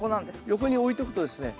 横に置いとくとですね